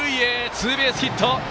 ツーベースヒット！